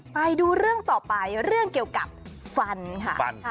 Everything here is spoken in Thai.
ไปดูเรื่องต่อไปเรื่องเกี่ยวกับฟันค่ะฟันค่ะ